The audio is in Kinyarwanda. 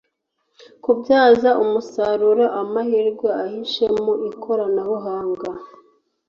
kubyaza umusaruro amahirwe ahishe mu ikoranabuhanga